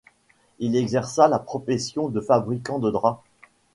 Il exerça la profession de fabricant de draps.